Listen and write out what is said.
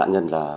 nạn nhân là